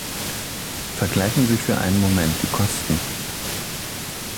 Vergleichen Sie für einen Moment die Kosten.